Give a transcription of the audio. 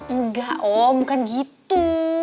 enggak om bukan gitu